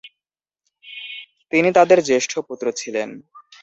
তিনি তাঁদের জ্যেষ্ঠ পুত্র ছিলেন।